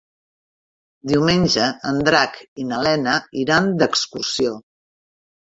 Diumenge en Drac i na Lena iran d'excursió.